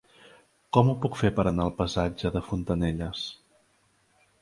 Com ho puc fer per anar al passatge de Fontanelles?